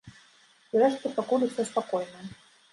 Зрэшты, пакуль усё спакойна.